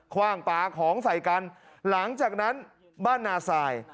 คว่างปลาของใส่กันหลังจากนั้นบ้านนาสาย